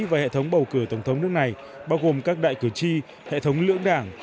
và hệ thống bầu cử tổng thống nước này bao gồm các đại cử tri hệ thống lưỡng đảng